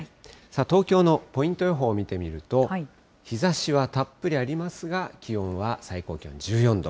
東京のポイント予報を見てみると、日ざしはたっぷりありますが、気温は最高気温１４度。